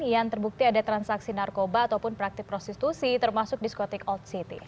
yang terbukti ada transaksi narkoba ataupun praktik prostitusi termasuk diskotik old city